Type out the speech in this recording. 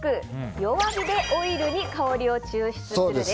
弱火でオイルに香りを抽出するです。